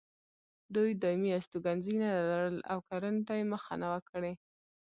دوی دایمي استوګنځي نه لرل او کرنې ته یې مخه نه وه کړې.